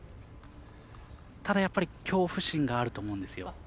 ただ、恐怖心があると思うんですよ。